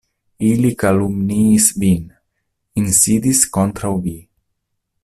Ili kalumniis vin, insidis kontraŭ vi.